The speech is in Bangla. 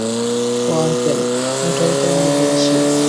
ও আঙ্কেল, ওটাই তো আমি বলছি।